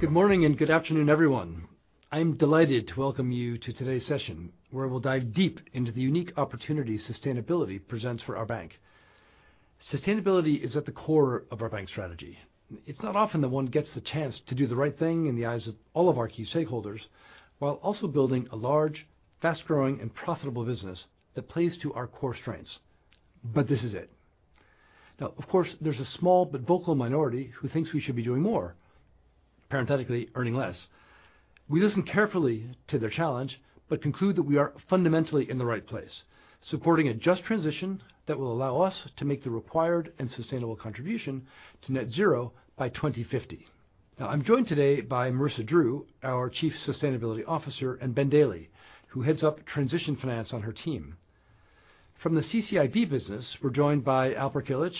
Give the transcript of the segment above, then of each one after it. Good morning and good afternoon, everyone. I'm delighted to welcome you to today's session, where we'll dive deep into the unique opportunity sustainability presents for our bank. Sustainability is at the core of our bank strategy. It's not often that one gets the chance to do the right thing in the eyes of all of our key stakeholders, while also building a large, fast-growing, and profitable business that plays to our core strengths. But this is it. Now, of course, there's a small but vocal minority who thinks we should be doing more, parenthetically, earning less. We listen carefully to their challenge, but conclude that we are fundamentally in the right place, supporting a just transition that will allow us to make the required and sustainable contribution to net zero by 2050. Now, I'm joined today by Marisa Drew, our Chief Sustainability Officer, and Ben Daly, who heads up transition finance on her team. From the CCIB business, we're joined by Alper Kilic,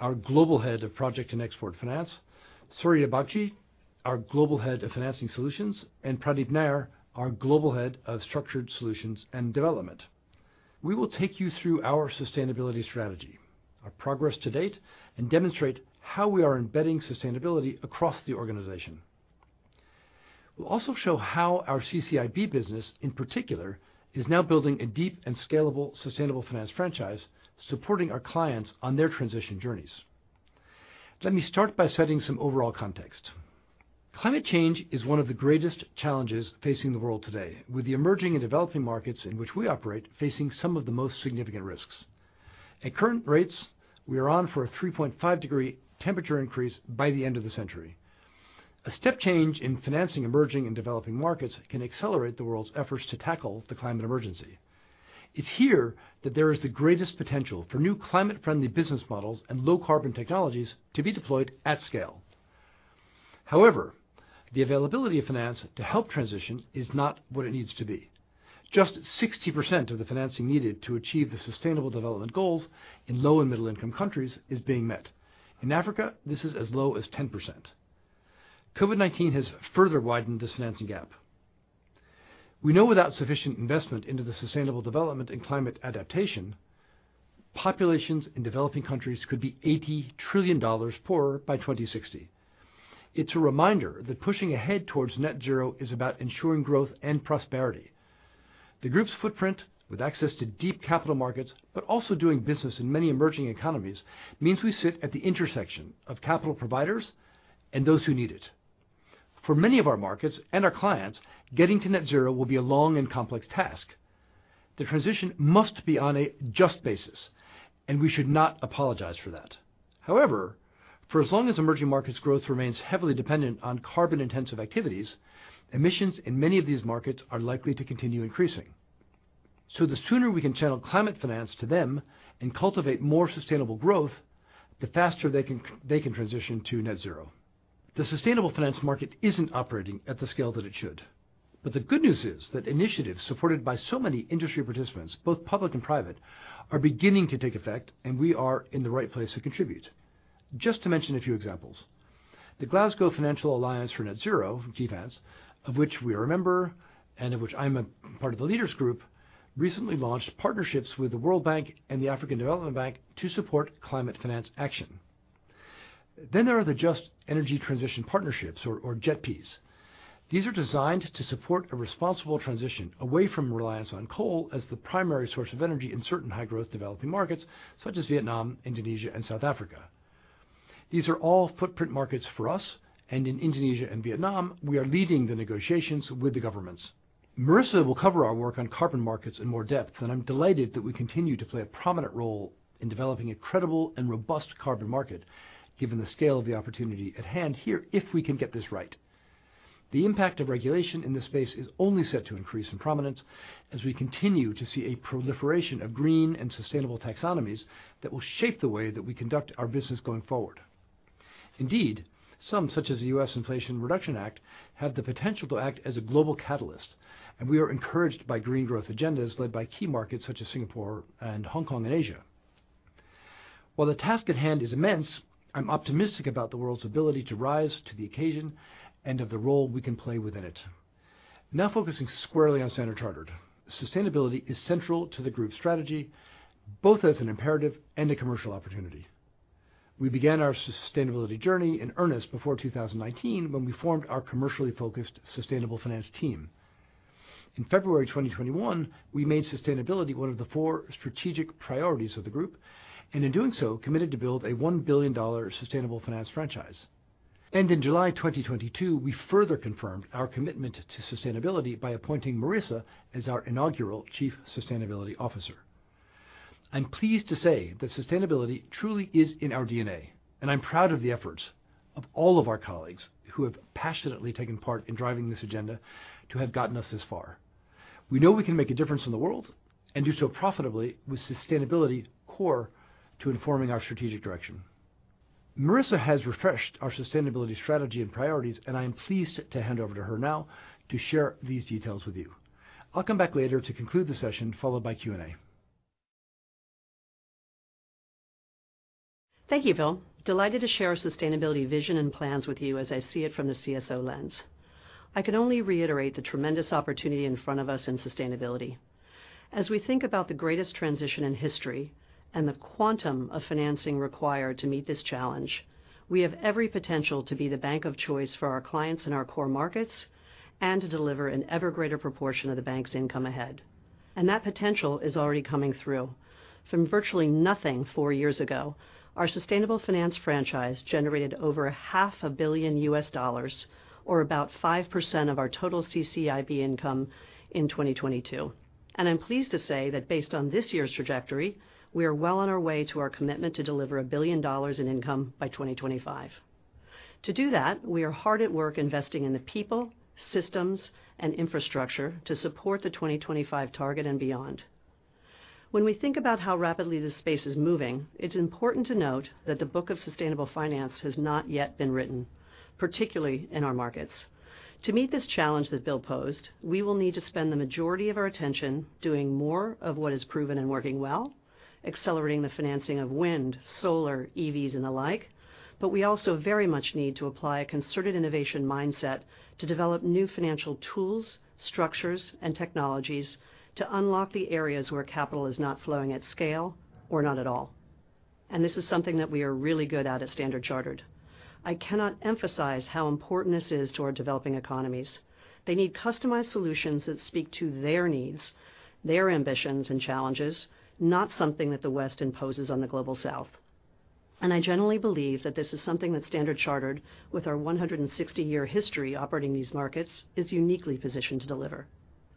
our Global Head of Project and Export Finance, Surya Bagchi, our Global Head of Financing Solutions, and Pradeep Nair, our Global Head of Structured Solutions and Development. We will take you through our sustainability strategy, our progress to date, and demonstrate how we are embedding sustainability across the organization. We'll also show how our CCIB business, in particular, is now building a deep and scalable sustainable finance franchise, supporting our clients on their transition journeys. Let me start by setting some overall context. Climate change is one of the greatest challenges facing the world today, with the emerging and developing markets in which we operate facing some of the most significant risks. At current rates, we are on for a 3.5-degree temperature increase by the end of the century. A step change in financing emerging and developing markets can accelerate the world's efforts to tackle the climate emergency. It's here that there is the greatest potential for new climate-friendly business models and low-carbon technologies to be deployed at scale. However, the availability of finance to help transition is not what it needs to be. Just 60% of the financing needed to achieve the Sustainable Development Goals in low- and middle-income countries is being met. In Africa, this is as low as 10%. COVID-19 has further widened this financing gap. We know without sufficient investment into the sustainable development and climate adaptation, populations in developing countries could be $80 trillion poorer by 2060. It's a reminder that pushing ahead towards net zero is about ensuring growth and prosperity. The Group's footprint, with access to deep capital markets, but also doing business in many emerging economies, means we sit at the intersection of capital providers and those who need it. For many of our markets and our clients, getting to net zero will be a long and complex task. The transition must be on a just basis, and we should not apologize for that. However, for as long as emerging markets growth remains heavily dependent on carbon-intensive activities, emissions in many of these markets are likely to continue increasing. So the sooner we can channel climate finance to them and cultivate more sustainable growth, the faster they can, they can transition to net zero. The sustainable finance market isn't operating at the scale that it should, but the good news is that initiatives supported by so many industry participants, both public and private, are beginning to take effect, and we are in the right place to contribute. Just to mention a few examples, the Glasgow Financial Alliance for Net Zero, GFANZ, of which we are a member and of which I'm a part of the leaders group, recently launched partnerships with the World Bank and the African Development Bank to support climate finance action. Then there are the Just Energy Transition Partnerships or JETPs. These are designed to support a responsible transition away from reliance on coal as the primary source of energy in certain high-growth developing markets such as Vietnam, Indonesia, and South Africa. These are all footprint markets for us, and in Indonesia and Vietnam, we are leading the negotiations with the governments. Marisa will cover our work on carbon markets in more depth, and I'm delighted that we continue to play a prominent role in developing a credible and robust carbon market, given the scale of the opportunity at hand here, if we can get this right. The impact of regulation in this space is only set to increase in prominence as we continue to see a proliferation of green and sustainable taxonomies that will shape the way that we conduct our business going forward. Indeed, some, such as the U.S. Inflation Reduction Act, have the potential to act as a global catalyst, and we are encouraged by green growth agendas led by key markets such as Singapore and Hong Kong and Asia. While the task at hand is immense, I'm optimistic about the world's ability to rise to the occasion and of the role we can play within it. Now focusing squarely on Standard Chartered, sustainability is central to the group's strategy, both as an imperative and a commercial opportunity. We began our sustainability journey in earnest before 2019, when we formed our commercially focused sustainable finance team. In February 2021, we made sustainability one of the four strategic priorities of the group, and in doing so, committed to build a $1 billion sustainable finance franchise. In July 2022, we further confirmed our commitment to sustainability by appointing Marisa as our inaugural Chief Sustainability Officer. I'm pleased to say that sustainability truly is in our DNA, and I'm proud of the efforts of all of our colleagues who have passionately taken part in driving this agenda to have gotten us this far. We know we can make a difference in the world and do so profitably, with sustainability core to informing our strategic direction. Marisa has refreshed our sustainability strategy and priorities, and I am pleased to hand over to her now to share these details with you. I'll come back later to conclude the session, followed by Q&A. Thank you, Bill. Delighted to share our sustainability vision and plans with you as I see it from the CSO lens.... I can only reiterate the tremendous opportunity in front of us in sustainability. As we think about the greatest transition in history and the quantum of financing required to meet this challenge, we have every potential to be the bank of choice for our clients in our core markets, and to deliver an ever greater proportion of the bank's income ahead. And that potential is already coming through. From virtually nothing four years ago, our sustainable finance franchise generated over $500 million, or about 5% of our total CCIB income in 2022. And I'm pleased to say that based on this year's trajectory, we are well on our way to our commitment to deliver $1 billion in income by 2025. To do that, we are hard at work investing in the people, systems, and infrastructure to support the 2025 target and beyond. When we think about how rapidly this space is moving, it's important to note that the book of sustainable finance has not yet been written, particularly in our markets. To meet this challenge that Bill posed, we will need to spend the majority of our attention doing more of what is proven and working well, accelerating the financing of wind, solar, EVs, and the like, but we also very much need to apply a concerted innovation mindset to develop new financial tools, structures, and technologies to unlock the areas where capital is not flowing at scale or not at all. And this is something that we are really good at Standard Chartered. I cannot emphasize how important this is to our developing economies. They need customized solutions that speak to their needs, their ambitions, and challenges, not something that the West imposes on the Global South. I generally believe that this is something that Standard Chartered, with our 160-year history operating these markets, is uniquely positioned to deliver.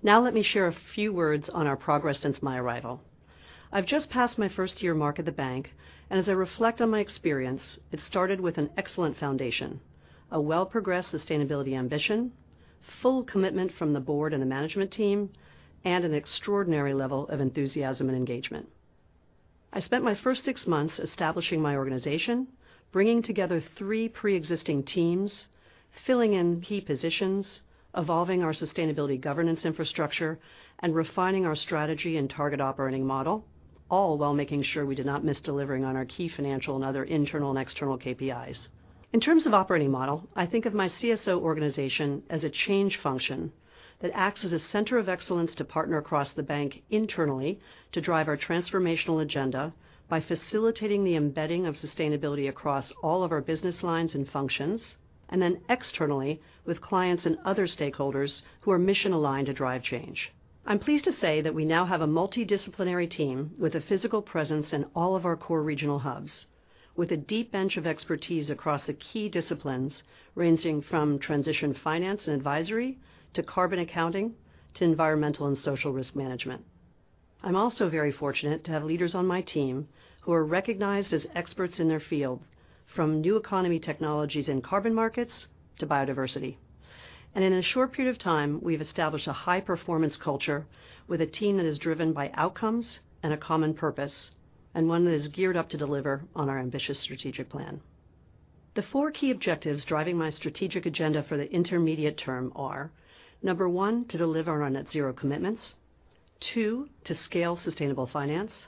Now, let me share a few words on our progress since my arrival. I've just passed my first year mark at the bank, and as I reflect on my experience, it started with an excellent foundation, a well progressed sustainability ambition, full commitment from the board and the management team, and an extraordinary level of enthusiasm and engagement. I spent my first six months establishing my organization, bringing together three preexisting teams, filling in key positions, evolving our sustainability governance infrastructure, and refining our strategy and target operating model, all while making sure we did not miss delivering on our key financial and other internal and external KPIs. In terms of operating model, I think of my CSO organization as a change function that acts as a center of excellence to partner across the bank internally to drive our transformational agenda by facilitating the embedding of sustainability across all of our business lines and functions, and then externally with clients and other stakeholders who are mission-aligned to drive change. I'm pleased to say that we now have a multidisciplinary team with a physical presence in all of our core regional hubs, with a deep bench of expertise across the key disciplines, ranging from transition finance and advisory, to carbon accounting, to environmental and social risk management. I'm also very fortunate to have leaders on my team who are recognized as experts in their field, from new economy technologies in carbon markets to biodiversity. And in a short period of time, we've established a high-performance culture with a team that is driven by outcomes and a common purpose, and one that is geared up to deliver on our ambitious strategic plan. The four key objectives driving my strategic agenda for the intermediate term are: number one, to deliver on our net zero commitments. Two, to scale sustainable finance.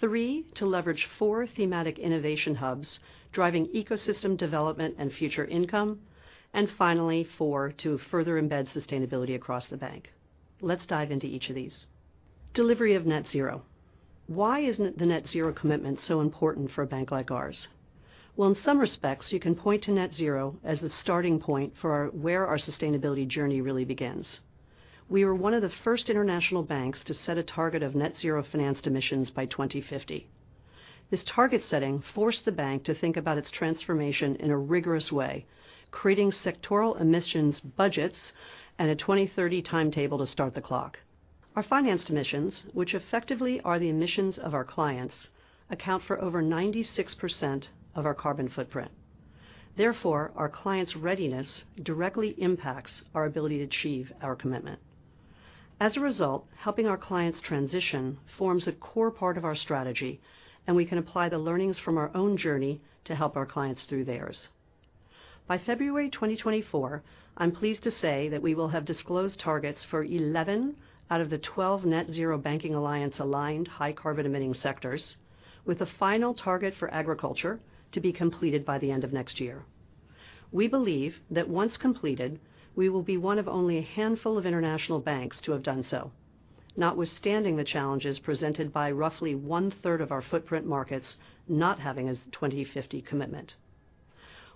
3, to leverage 4 thematic innovation hubs, driving ecosystem development and future income. And finally, 4, to further embed sustainability across the bank. Let's dive into each of these. Delivery of net zero. Why is the net zero commitment so important for a bank like ours? Well, in some respects, you can point to net zero as the starting point for where our sustainability journey really begins. We were one of the first international banks to set a target of net zero financed emissions by 2050. This target setting forced the bank to think about its transformation in a rigorous way, creating sectoral emissions budgets and a 2030 timetable to start the clock. Our financed emissions, which effectively are the emissions of our clients, account for over 96% of our carbon footprint. Therefore, our clients' readiness directly impacts our ability to achieve our commitment. As a result, helping our clients transition forms a core part of our strategy, and we can apply the learnings from our own journey to help our clients through theirs. By February 2024, I'm pleased to say that we will have disclosed targets for 11 out of the 12 Net Zero Banking Alliance aligned high carbon emitting sectors, with a final target for agriculture to be completed by the end of next year. We believe that once completed, we will be one of only a handful of international banks to have done so, notwithstanding the challenges presented by roughly one-third of our footprint markets not having a 2050 commitment.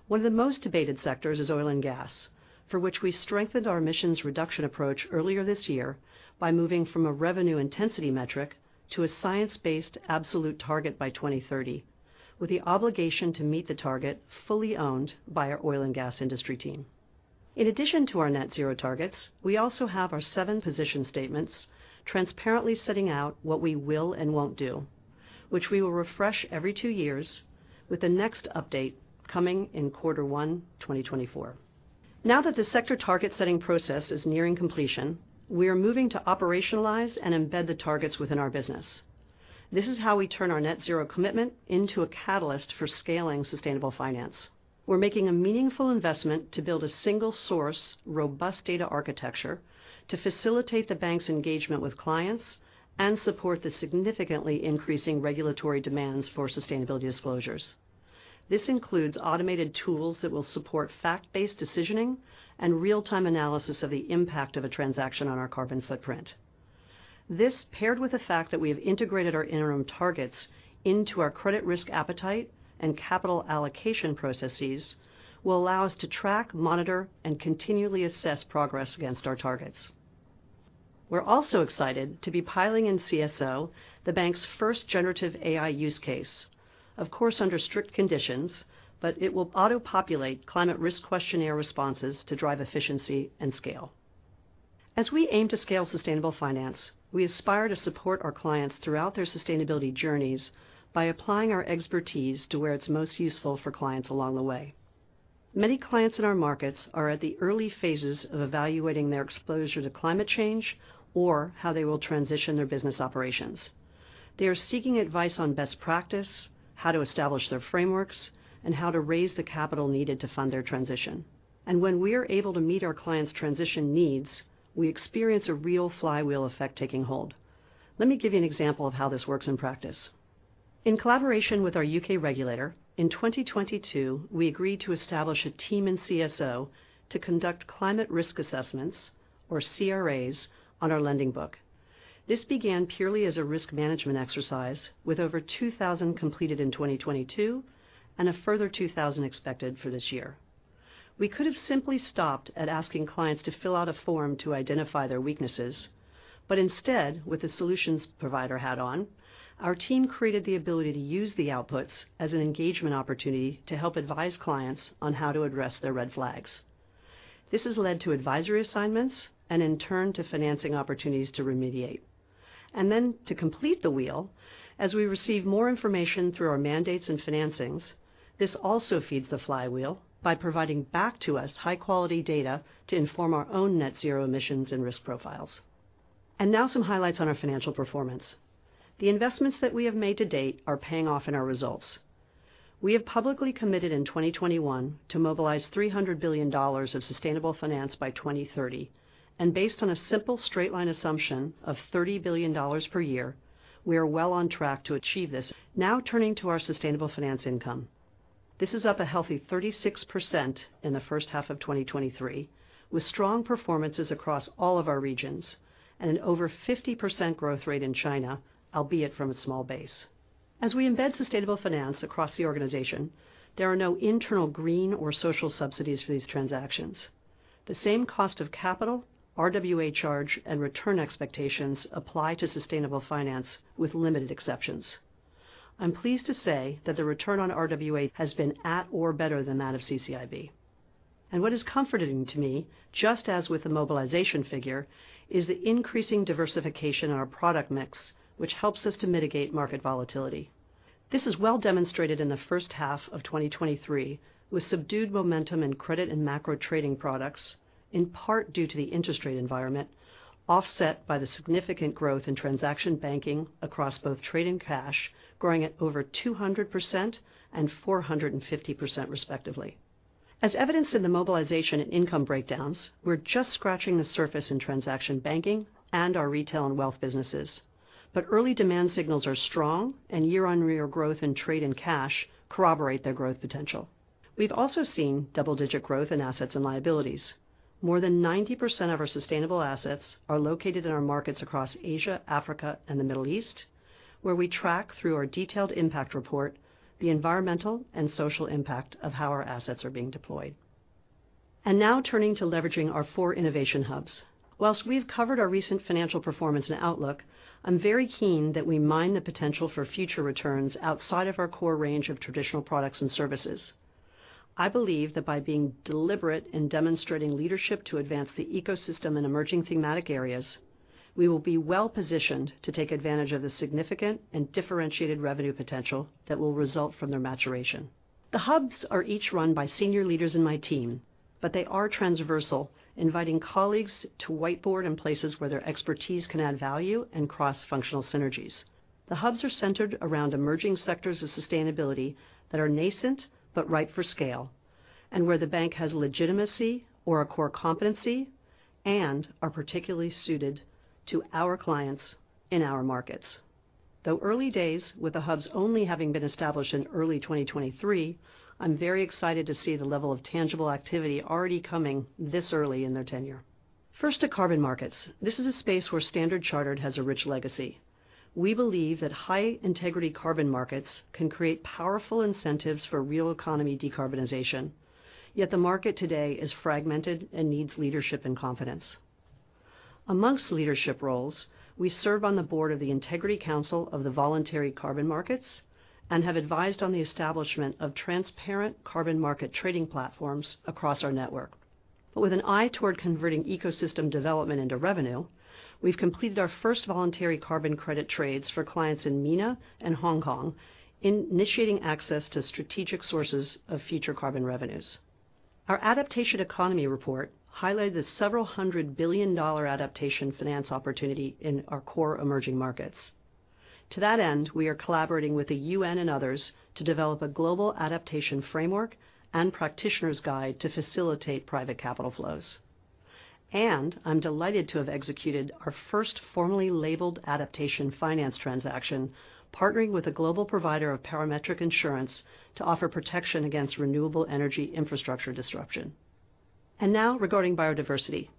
One of the most debated sectors is oil and gas, for which we strengthened our emissions reduction approach earlier this year by moving from a revenue intensity metric to a science-based absolute target by 2030, with the obligation to meet the target fully owned by our oil and gas industry team. In addition to our net zero targets, we also have our seven position statements transparently setting out what we will and won't do, which we will refresh every two years, with the next update coming in quarter 1, 2024. Now that the sector target-setting process is nearing completion, we are moving to operationalize and embed the targets within our business. This is how we turn our net zero commitment into a catalyst for scaling sustainable finance. We're making a meaningful investment to build a single source, robust data architecture to facilitate the bank's engagement with clients and support the significantly increasing regulatory demands for sustainability disclosures. This includes automated tools that will support fact-based decisioning and real-time analysis of the impact of a transaction on our carbon footprint. This, paired with the fact that we have integrated our interim targets into our credit risk appetite and capital allocation processes, will allow us to track, monitor, and continually assess progress against our targets. We're also excited to be piloting in CSO, the bank's first generative AI use case. Of course, under strict conditions, but it will auto-populate climate risk questionnaire responses to drive efficiency and scale. As we aim to scale sustainable finance, we aspire to support our clients throughout their sustainability journeys by applying our expertise to where it's most useful for clients along the way. Many clients in our markets are at the early phases of evaluating their exposure to climate change or how they will transition their business operations. They are seeking advice on best practice, how to establish their frameworks, and how to raise the capital needed to fund their transition. When we are able to meet our clients' transition needs, we experience a real flywheel effect taking hold. Let me give you an example of how this works in practice. In collaboration with our UK regulator, in 2022, we agreed to establish a team in CSO to conduct climate risk assessments, or CRAs, on our lending book. This began purely as a risk management exercise, with over 2,000 completed in 2022 and a further 2,000 expected for this year. We could have simply stopped at asking clients to fill out a form to identify their weaknesses, but instead, with the solutions provider hat on, our team created the ability to use the outputs as an engagement opportunity to help advise clients on how to address their red flags. This has led to advisory assignments and, in turn, to financing opportunities to remediate. Then to complete the wheel, as we receive more information through our mandates and financings, this also feeds the flywheel by providing back to us high-quality data to inform our own net zero emissions and risk profiles. Now some highlights on our financial performance. The investments that we have made to date are paying off in our results. We have publicly committed in 2021 to mobilize $300 billion of sustainable finance by 2030, and based on a simple straight line assumption of $30 billion per year, we are well on track to achieve this. Now, turning to our sustainable finance income. This is up a healthy 36% in the first half of 2023, with strong performances across all of our regions and an over 50% growth rate in China, albeit from a small base. As we embed sustainable finance across the organization, there are no internal green or social subsidies for these transactions. The same cost of capital, RWA charge, and return expectations apply to sustainable finance, with limited exceptions. I'm pleased to say that the return on RWA has been at or better than that of CCIB. What is comforting to me, just as with the mobilization figure, is the increasing diversification in our product mix, which helps us to mitigate market volatility. This is well demonstrated in the first half of 2023, with subdued momentum in credit and macro trading products, in part due to the interest rate environment, offset by the significant growth in transaction banking across both trade and cash, growing at over 200% and 450%, respectively. As evidenced in the mobilization and income breakdowns, we're just scratching the surface in transaction banking and our retail and wealth businesses. Early demand signals are strong, and year-on-year growth in trade and cash corroborate their growth potential. We've also seen double-digit growth in assets and liabilities. More than 90% of our sustainable assets are located in our markets across Asia, Africa, and the Middle East, where we track through our detailed impact report the environmental and social impact of how our assets are being deployed. Now turning to leveraging our 4 innovation hubs. While we've covered our recent financial performance and outlook, I'm very keen that we mine the potential for future returns outside of our core range of traditional products and services. I believe that by being deliberate in demonstrating leadership to advance the ecosystem in emerging thematic areas, we will be well-positioned to take advantage of the significant and differentiated revenue potential that will result from their maturation. The hubs are each run by senior leaders in my team, but they are transversal, inviting colleagues to whiteboard in places where their expertise can add value and cross-functional synergies. The hubs are centered around emerging sectors of sustainability that are nascent but ripe for scale, and where the bank has legitimacy or a core competency and are particularly suited to our clients in our markets. Though early days, with the hubs only having been established in early 2023, I'm very excited to see the level of tangible activity already coming this early in their tenure. First, to carbon markets. This is a space where Standard Chartered has a rich legacy. We believe that high-integrity carbon markets can create powerful incentives for real economy decarbonization, yet the market today is fragmented and needs leadership and confidence. Amongst leadership roles, we serve on the board of the Integrity Council for the Voluntary Carbon Markets and have advised on the establishment of transparent carbon market trading platforms across our network. But with an eye toward converting ecosystem development into revenue, we've completed our first voluntary carbon credit trades for clients in MENA and Hong Kong, initiating access to strategic sources of future carbon revenues. Our Adaptation Economy Report highlighted the several hundred billion USD adaptation finance opportunity in our core emerging markets. To that end, we are collaborating with the UN and others to develop a global adaptation framework and practitioners guide to facilitate private capital flows.... I'm delighted to have executed our first formally labeled adaptation finance transaction, partnering with a global provider of parametric insurance to offer protection against renewable energy infrastructure disruption. Now regarding biodiversity.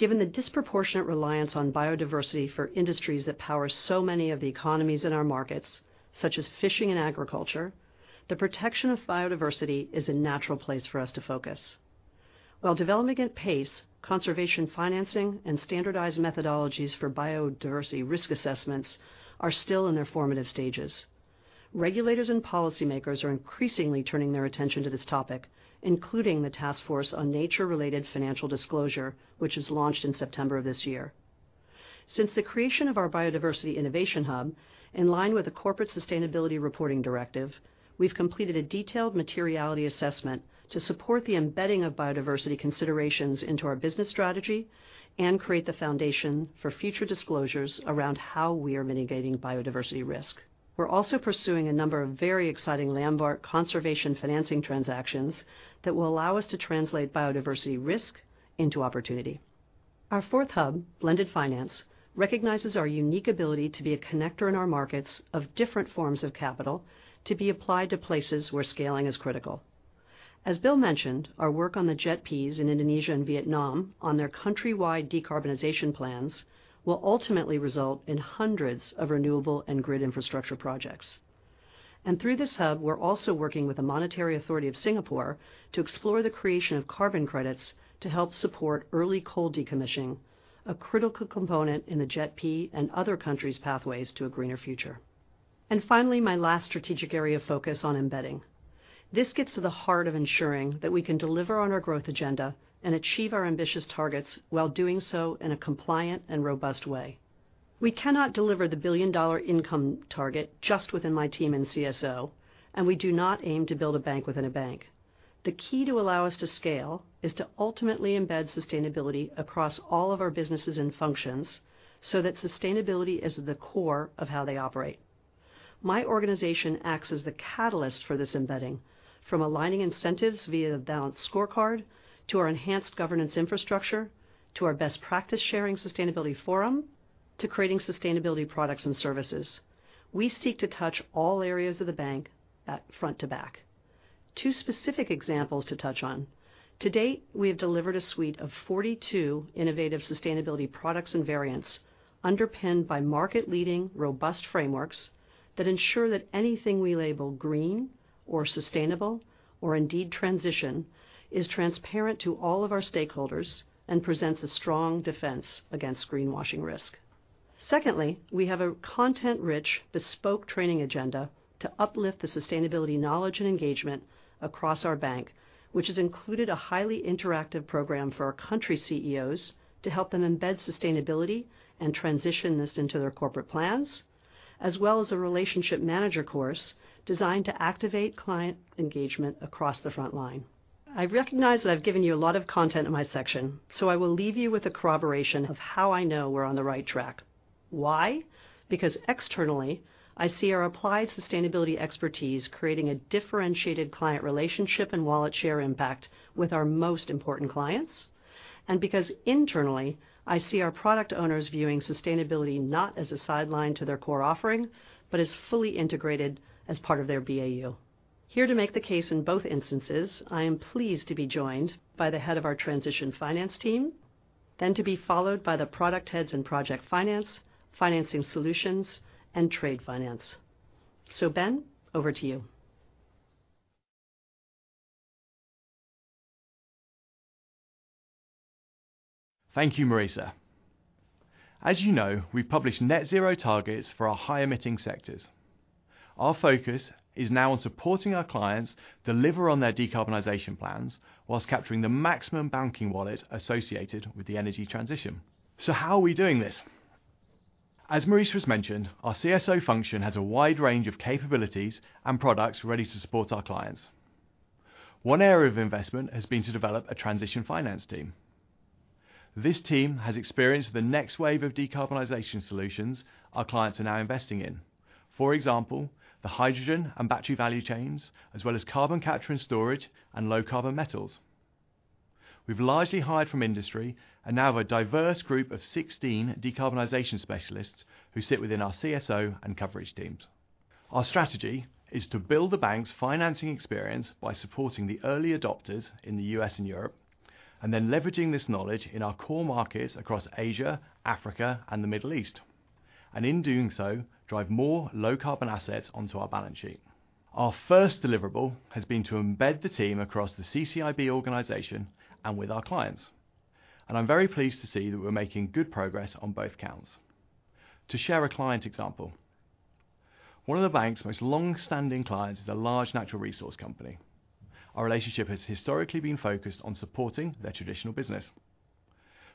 Given the disproportionate reliance on biodiversity for industries that power so many of the economies in our markets, such as fishing and agriculture, the protection of biodiversity is a natural place for us to focus. While developing at pace, conservation financing, and standardized methodologies for biodiversity risk assessments are still in their formative stages. Regulators and policymakers are increasingly turning their attention to this topic, including the Task Force on Nature-related Financial Disclosures, which was launched in September of this year. Since the creation of our biodiversity innovation hub, in line with the Corporate Sustainability Reporting Directive, we've completed a detailed materiality assessment to support the embedding of biodiversity considerations into our business strategy and create the foundation for future disclosures around how we are mitigating biodiversity risk. We're also pursuing a number of very exciting landmark conservation financing transactions that will allow us to translate biodiversity risk into opportunity. Our fourth hub, Blended Finance, recognizes our unique ability to be a connector in our markets of different forms of capital to be applied to places where scaling is critical. As Bill mentioned, our work on the JETPs in Indonesia and Vietnam on their country-wide decarbonization plans will ultimately result in hundreds of renewable and grid infrastructure projects. Through this hub, we're also working with the Monetary Authority of Singapore to explore the creation of carbon credits to help support early coal decommissioning, a critical component in the JETP and other countries' pathways to a greener future. Finally, my last strategic area of focus on embedding. This gets to the heart of ensuring that we can deliver on our growth agenda and achieve our ambitious targets, while doing so in a compliant and robust way. We cannot deliver the billion-dollar income target just within my team in CSO, and we do not aim to build a bank within a bank. The key to allow us to scale is to ultimately embed sustainability across all of our businesses and functions, so that sustainability is at the core of how they operate. My organization acts as the catalyst for this embedding, from aligning incentives via the balanced scorecard, to our enhanced governance infrastructure, to our best practice sharing sustainability forum, to creating sustainability products and services. We seek to touch all areas of the bank at front to back. Two specific examples to touch on. To date, we have delivered a suite of 42 innovative sustainability products and variants, underpinned by market-leading, robust frameworks that ensure that anything we label green or sustainable, or indeed transition, is transparent to all of our stakeholders and presents a strong defense against greenwashing risk. Secondly, we have a content-rich, bespoke training agenda to uplift the sustainability knowledge and engagement across our bank, which has included a highly interactive program for our country CEOs to help them embed sustainability and transition this into their corporate plans, as well as a relationship manager course designed to activate client engagement across the front line. I recognize that I've given you a lot of content in my section, so I will leave you with a corroboration of how I know we're on the right track. Why? Because externally, I see our applied sustainability expertise creating a differentiated client relationship and wallet share impact with our most important clients. And because internally, I see our product owners viewing sustainability not as a sideline to their core offering, but as fully integrated as part of their BAU. Here to make the case in both instances, I am pleased to be joined by the head of our transition finance team, then to be followed by the product heads in project finance, financing solutions, and trade finance. So Ben, over to you. Thank you, Marisa. As you know, we've published net zero targets for our high-emitting sectors. Our focus is now on supporting our clients deliver on their decarbonization plans, while capturing the maximum banking wallet associated with the energy transition. So how are we doing this? As Marisa has mentioned, our CSO function has a wide range of capabilities and products ready to support our clients. One area of investment has been to develop a transition finance team. This team has experienced the next wave of decarbonization solutions our clients are now investing in. For example, the hydrogen and battery value chains, as well as carbon capture and storage, and low carbon metals. We've largely hired from industry and now have a diverse group of 16 decarbonization specialists who sit within our CSO and coverage teams. Our strategy is to build the bank's financing experience by supporting the early adopters in the U.S. and Europe, and then leveraging this knowledge in our core markets across Asia, Africa, and the Middle East. In doing so, drive more low-carbon assets onto our balance sheet. Our first deliverable has been to embed the team across the CCIB organization and with our clients, and I'm very pleased to see that we're making good progress on both counts. To share a client example, one of the bank's most long-standing clients is a large natural resource company. Our relationship has historically been focused on supporting their traditional business.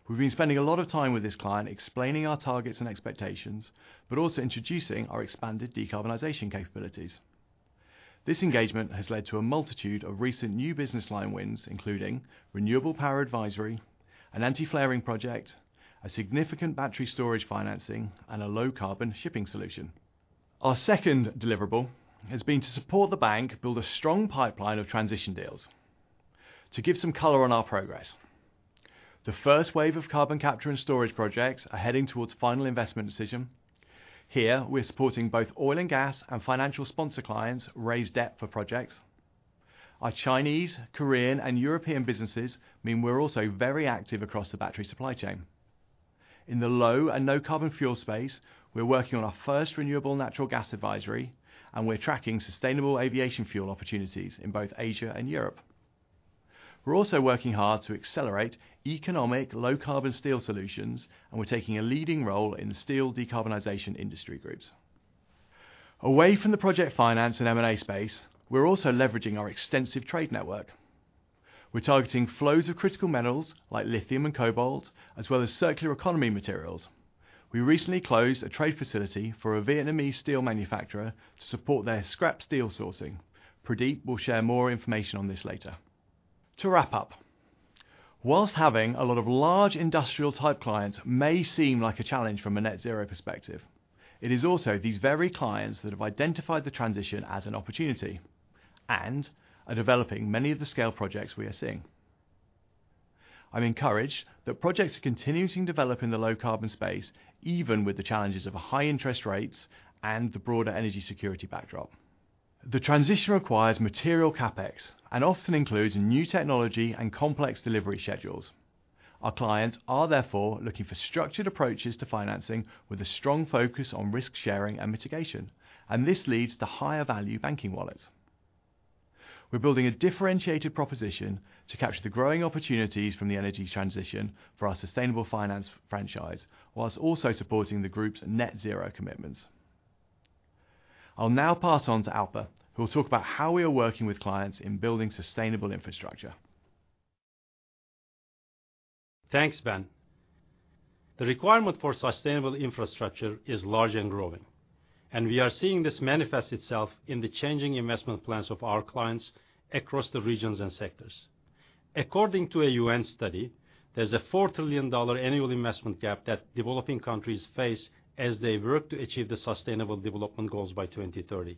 We've been spending a lot of time with this client, explaining our targets and expectations, but also introducing our expanded decarbonization capabilities. This engagement has led to a multitude of recent new business line wins, including renewable power advisory, an anti-flaring project, a significant battery storage financing, and a low-carbon shipping solution.... Our second deliverable has been to support the bank build a strong pipeline of transition deals. To give some color on our progress, the first wave of carbon capture and storage projects are heading towards final investment decision. Here, we're supporting both oil and gas, and financial sponsor clients raise debt for projects. Our Chinese, Korean, and European businesses mean we're also very active across the battery supply chain. In the low and no carbon fuel space, we're working on our first renewable natural gas advisory, and we're tracking sustainable aviation fuel opportunities in both Asia and Europe. We're also working hard to accelerate economic low-carbon steel solutions, and we're taking a leading role in steel decarbonization industry groups. Away from the project finance and M&A space, we're also leveraging our extensive trade network. We're targeting flows of critical metals like lithium and cobalt, as well as circular economy materials. We recently closed a trade facility for a Vietnamese steel manufacturer to support their scrap steel sourcing. Pradeep will share more information on this later. To wrap up, while having a lot of large industrial-type clients may seem like a challenge from a net zero perspective, it is also these very clients that have identified the transition as an opportunity and are developing many of the scale projects we are seeing. I'm encouraged that projects are continuing to develop in the low-carbon space, even with the challenges of high interest rates and the broader energy security backdrop. The transition requires material CapEx and often includes new technology and complex delivery schedules. Our clients are therefore looking for structured approaches to financing with a strong focus on risk sharing and mitigation, and this leads to higher value banking wallets. We're building a differentiated proposition to capture the growing opportunities from the energy transition for our sustainable finance franchise, while also supporting the group's net zero commitments. I'll now pass on to Alper, who will talk about how we are working with clients in building sustainable infrastructure. Thanks, Ben. The requirement for sustainable infrastructure is large and growing, and we are seeing this manifest itself in the changing investment plans of our clients across the regions and sectors. According to a UN study, there's a $4 trillion annual investment gap that developing countries face as they work to achieve the Sustainable Development Goals by 2030.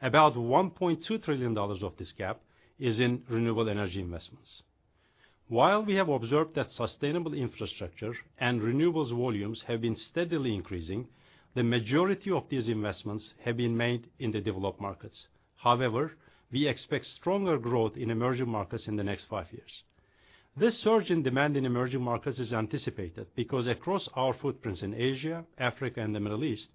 About $1.2 trillion of this gap is in renewable energy investments. While we have observed that sustainable infrastructure and renewables volumes have been steadily increasing, the majority of these investments have been made in the developed markets. However, we expect stronger growth in emerging markets in the next five years. This surge in demand in emerging markets is anticipated because across our footprints in Asia, Africa, and the Middle East,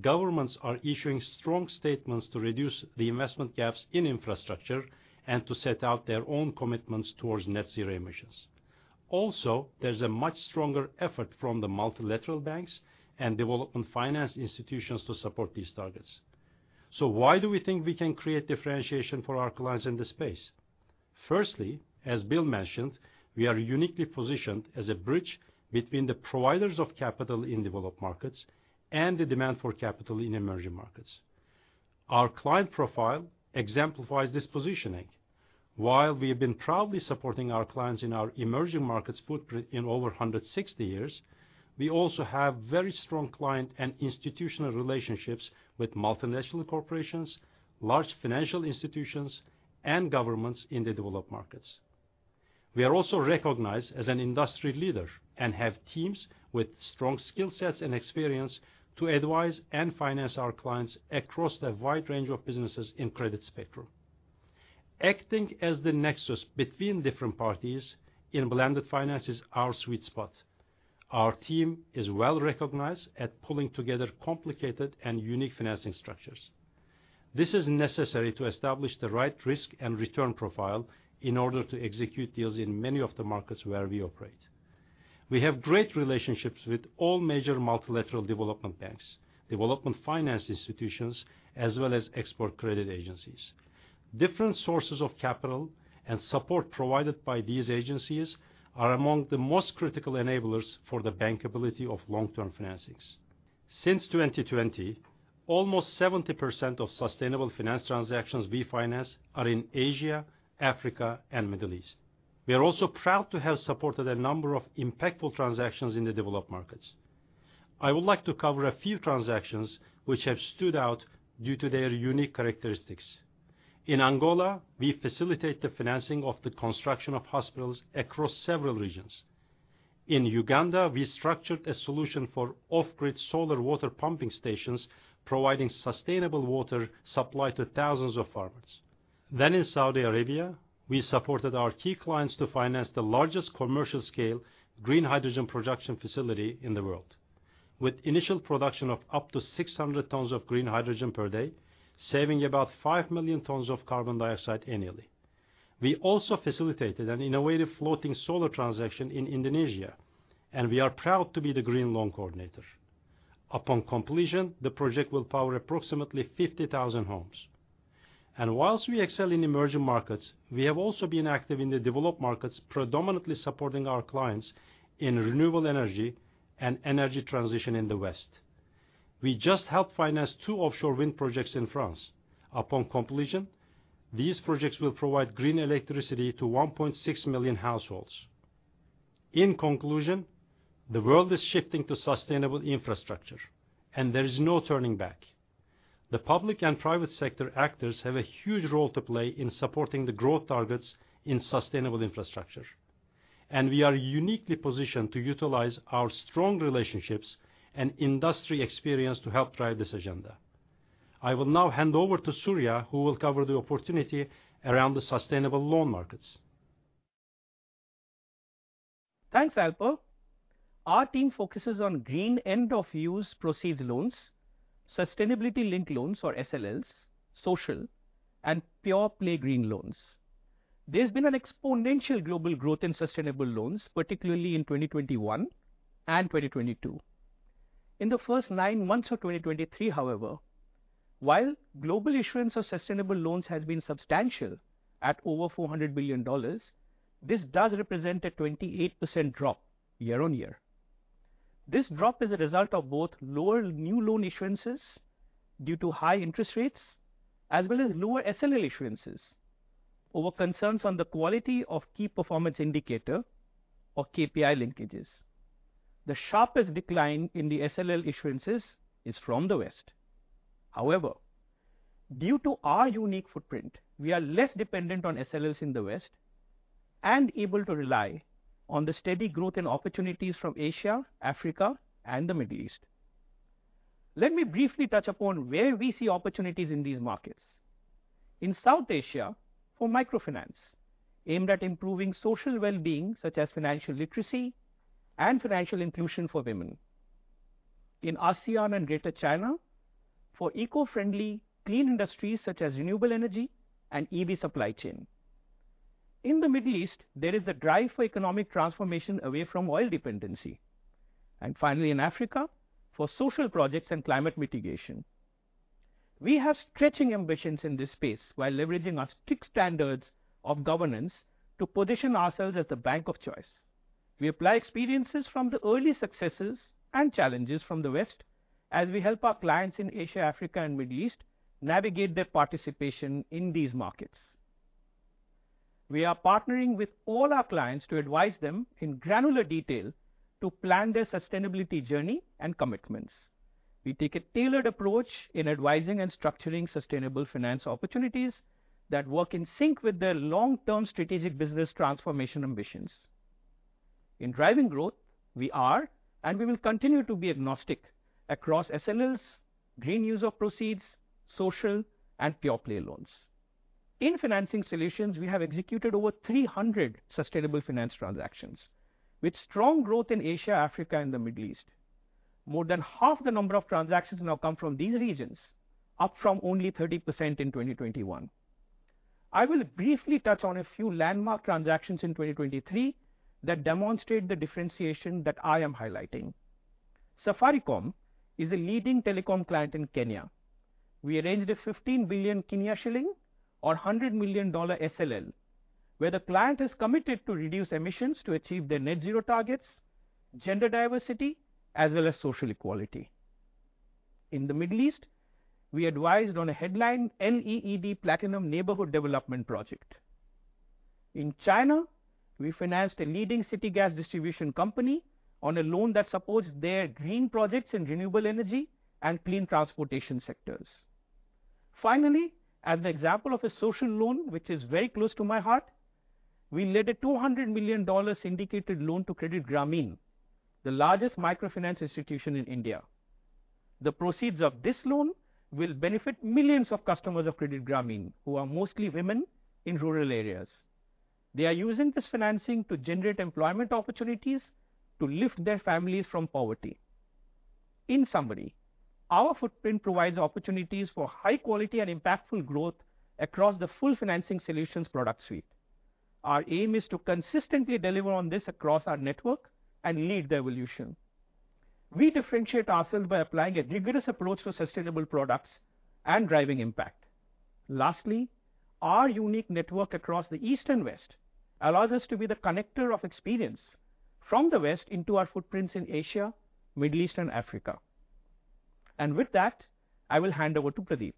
governments are issuing strong statements to reduce the investment gaps in infrastructure and to set out their own commitments towards net zero emissions. Also, there's a much stronger effort from the multilateral banks and development finance institutions to support these targets. So why do we think we can create differentiation for our clients in this space? Firstly, as Bill mentioned, we are uniquely positioned as a bridge between the providers of capital in developed markets and the demand for capital in emerging markets. Our client profile exemplifies this positioning. While we have been proudly supporting our client in our emerging markets footprint in over 160 years, we also have very strong client and institutional relationships with multinational corporations, large financial institutions, and governments in the developed markets. We are also recognized as an industry leader and have teams with strong skill sets and experience to advise and finance our clients across a wide range of businesses in credit spectrum. Acting as the nexus between different parties in blended finance is our sweet spot. Our team is well-recognized at pulling together complicated and unique financing structures. This is necessary to establish the right risk and return profile in order to execute deals in many of the markets where we operate. We have great relationships with all major multilateral development banks, development finance institutions, as well as export credit agencies. Different sources of capital and support provided by these agencies are among the most critical enablers for the bankability of long-term financings. Since 2020, almost 70% of sustainable finance transactions we finance are in Asia, Africa, and Middle East. We are also proud to have supported a number of impactful transactions in the developed markets. I would like to cover a few transactions which have stood out due to their unique characteristics. In Angola, we facilitate the financing of the construction of hospitals across several regions. In Uganda, we structured a solution for off-grid solar water pumping stations, providing sustainable water supply to thousands of farmers. Then in Saudi Arabia, we supported our key clients to finance the largest commercial scale green hydrogen production facility in the world, with initial production of up to 600 tons of green hydrogen per day, saving about 5 million tons of carbon dioxide annually. We also facilitated an innovative floating solar transaction in Indonesia, and we are proud to be the green loan coordinator. Upon completion, the project will power approximately 50,000 homes. While we excel in emerging markets, we have also been active in the developed markets, predominantly supporting our clients in renewable energy and energy transition in the West. We just helped finance two offshore wind projects in France. Upon completion, these projects will provide green electricity to 1.6 million households. In conclusion, the world is shifting to sustainable infrastructure, and there is no turning back. The public and private sector actors have a huge role to play in supporting the growth targets in sustainable infrastructure, and we are uniquely positioned to utilize our strong relationships and industry experience to help drive this agenda. I will now hand over to Surya, who will cover the opportunity around the sustainable loan markets. Thanks, Alper. Our team focuses on green end-of-use proceeds loans, sustainability-linked loans, or SLLs, social, and pure-play green loans. There's been an exponential global growth in sustainable loans, particularly in 2021 and 2022. In the first nine months of 2023, however, while global issuance of sustainable loans has been substantial at over $400 billion, this does represent a 28% drop year-on-year. This drop is a result of both lower new loan issuances due to high interest rates, as well as lower SLL issuances over concerns on the quality of key performance indicator, or KPI, linkages. The sharpest decline in the SLL issuances is from the West. However, due to our unique footprint, we are less dependent on SLLs in the West and able to rely on the steady growth in opportunities from Asia, Africa, and the Middle East. Let me briefly touch upon where we see opportunities in these markets. In South Asia, for microfinance, aimed at improving social well-being, such as financial literacy and financial inclusion for women. In ASEAN and Greater China, for eco-friendly, clean industries such as renewable energy and EV supply chain. In the Middle East, there is a drive for economic transformation away from oil dependency. And finally, in Africa, for social projects and climate mitigation. We have stretching ambitions in this space while leveraging our strict standards of governance to position ourselves as the bank of choice. We apply experiences from the early successes and challenges from the West as we help our clients in Asia, Africa, and Middle East navigate their participation in these markets. We are partnering with all our clients to advise them in granular detail to plan their sustainability journey and commitments. We take a tailored approach in advising and structuring sustainable finance opportunities that work in sync with their long-term strategic business transformation ambitions. In driving growth, we are, and we will continue to be agnostic across SLLs, green use of proceeds, social, and pure-play loans. In financing solutions, we have executed over 300 sustainable finance transactions, with strong growth in Asia, Africa, and the Middle East. More than half the number of transactions now come from these regions, up from only 30% in 2021. I will briefly touch on a few landmark transactions in 2023 that demonstrate the differentiation that I am highlighting. Safaricom is a leading telecom client in Kenya. We arranged a 15 billion shilling, or $100 million SLL, where the client is committed to reduce emissions to achieve their net zero targets, gender diversity, as well as social equality. In the Middle East, we advised on a headline LEED Platinum neighborhood development project. In China, we financed a leading city gas distribution company on a loan that supports their green projects in renewable energy and clean transportation sectors. Finally, as an example of a social loan, which is very close to my heart, we led a $200 million syndicated loan to Credit Grameen, the largest microfinance institution in India. The proceeds of this loan will benefit millions of customers of Credit Grameen, who are mostly women in rural areas. They are using this financing to generate employment opportunities to lift their families from poverty. In summary, our footprint provides opportunities for high quality and impactful growth across the full financing solutions product suite. Our aim is to consistently deliver on this across our network and lead the evolution. We differentiate ourselves by applying a rigorous approach to sustainable products and driving impact. Lastly, our unique network across the East and West allows us to be the connector of experience from the West into our footprints in Asia, Middle East, and Africa. With that, I will hand over to Pradeep.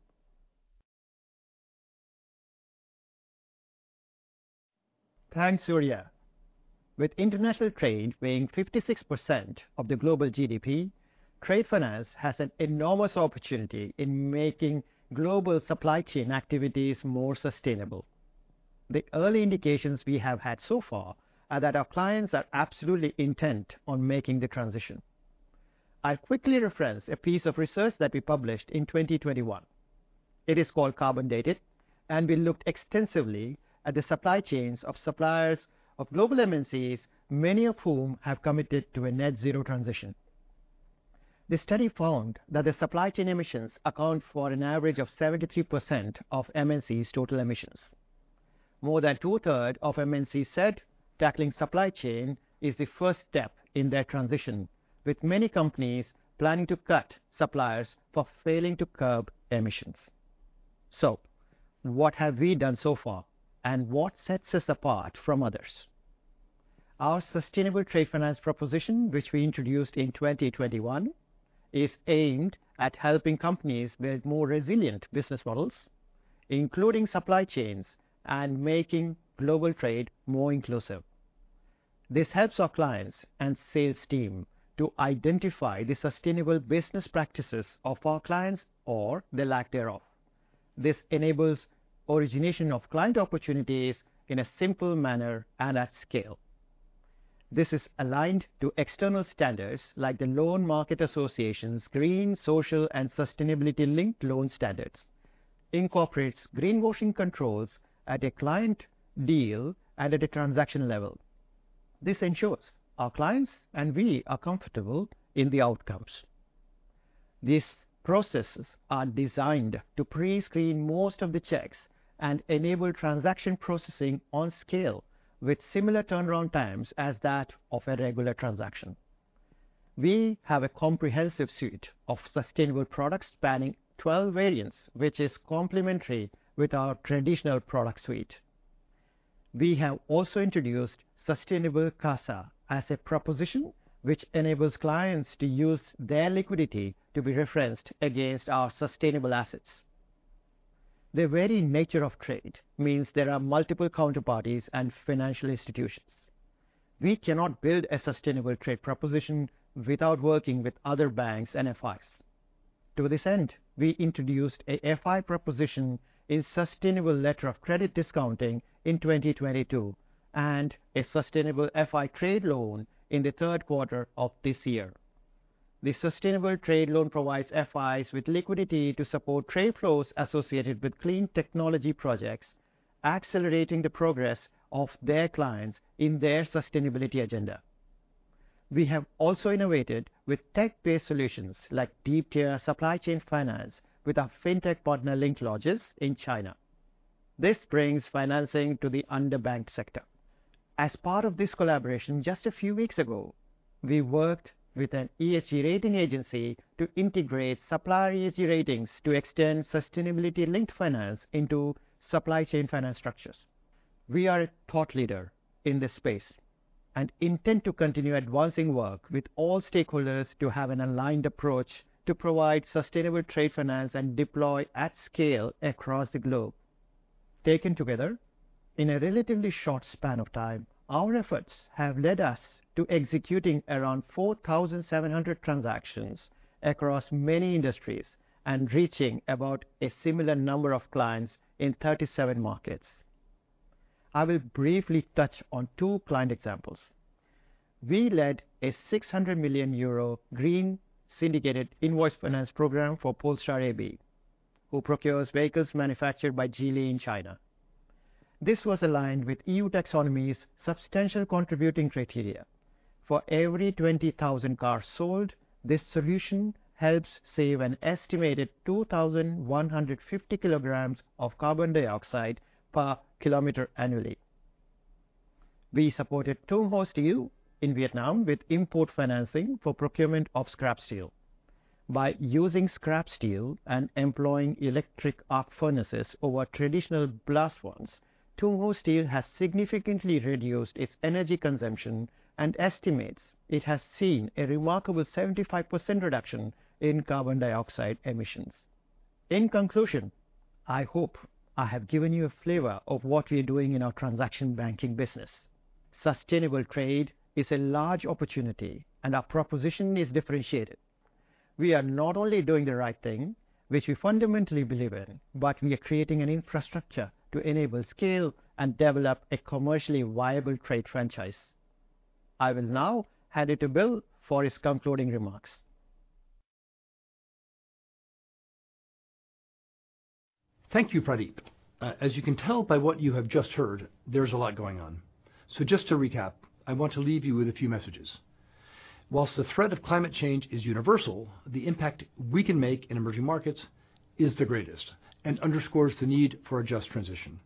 Thanks, Surya. With international trade weighing 56% of the global GDP, trade finance has an enormous opportunity in making global supply chain activities more sustainable. The early indications we have had so far are that our clients are absolutely intent on making the transition. I'll quickly reference a piece of research that we published in 2021. It is called Carbon Dated, and we looked extensively at the supply chains of suppliers of global MNCs, many of whom have committed to a net zero transition. The study found that the supply chain emissions account for an average of 73% of MNCs' total emissions. More than two-thirds of MNCs said tackling supply chain is the first step in their transition, with many companies planning to cut suppliers for failing to curb emissions. So, what have we done so far, and what sets us apart from others? Our sustainable trade finance proposition, which we introduced in 2021, is aimed at helping companies build more resilient business models, including supply chains and making global trade more inclusive. This helps our clients and sales team to identify the sustainable business practices of our clients or the lack thereof. This enables origination of client opportunities in a simple manner and at scale. This is aligned to external standards like the Loan Market Association's Green, Social, and Sustainability-Linked Loan standards. Incorporates greenwashing controls at a client deal and at a transaction level. This ensures our clients and we are comfortable in the outcomes. These processes are designed to pre-screen most of the checks and enable transaction processing on scale, with similar turnaround times as that of a regular transaction. We have a comprehensive suite of sustainable products spanning 12 variants, which is complementary with our traditional product suite. We have also introduced Sustainable CASA as a proposition, which enables clients to use their liquidity to be referenced against our sustainable assets. The very nature of trade means there are multiple counterparties and financial institutions. We cannot build a sustainable trade proposition without working with other banks and FIs. To this end, we introduced a FI proposition in sustainable letter of credit discounting in 2022, and a sustainable FI trade loan in the Q3 of this year. The sustainable trade loan provides FIs with liquidity to support trade flows associated with clean technology projects, accelerating the progress of their clients in their sustainability agenda. We have also innovated with tech-based solutions like deep tier supply chain finance with our fintech partner, Linklogis, in China. This brings financing to the underbanked sector. As part of this collaboration, just a few weeks ago, we worked with an ESG rating agency to integrate supplier ESG ratings to extend sustainability-linked finance into supply chain finance structures. We are a thought leader in this space and intend to continue advancing work with all stakeholders to have an aligned approach to provide sustainable trade finance and deploy at scale across the globe. Taken together, in a relatively short span of time, our efforts have led us to executing around 4,700 transactions across many industries and reaching about a similar number of clients in 37 markets. I will briefly touch on two client examples. We led a 600 million euro green syndicated invoice finance program for Polestar AB, who procures vehicles manufactured by Geely in China. This was aligned with EU taxonomy's substantial contributing criteria. For every 20,000 cars sold, this solution helps save an estimated 2,150 kilograms of carbon dioxide per kilometer annually. We supported Tung Ho Steel in Vietnam with import financing for procurement of scrap steel. By using scrap steel and employing electric arc furnaces over traditional blast ones, Tung Ho Steel has significantly reduced its energy consumption and estimates it has seen a remarkable 75% reduction in carbon dioxide emissions. In conclusion, I hope I have given you a flavor of what we are doing in our transaction banking business. Sustainable trade is a large opportunity, and our proposition is differentiated. We are not only doing the right thing, which we fundamentally believe in, but we are creating an infrastructure to enable scale and develop a commercially viable trade franchise. I will now hand it to Bill for his concluding remarks. Thank you, Pradeep. As you can tell by what you have just heard, there's a lot going on. Just to recap, I want to leave you with a few messages. While the threat of climate change is universal, the impact we can make in emerging markets is the greatest and underscores the need for a just transition.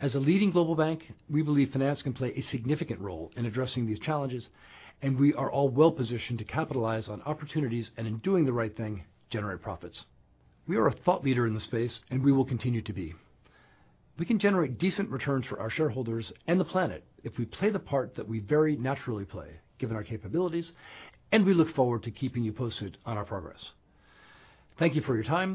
As a leading global bank, we believe finance can play a significant role in addressing these challenges, and we are all well-positioned to capitalize on opportunities, and in doing the right thing, generate profits. We are a thought leader in the space, and we will continue to be. We can generate decent returns for our shareholders and the planet if we play the part that we very naturally play, given our capabilities, and we look forward to keeping you posted on our progress. Thank you for your time.